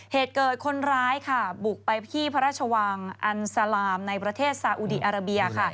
เหตุเกิดคนร้ายค่ะบุกไปที่พระราชวังอันซาลามในประเทศซาอุดีอาราเบียค่ะ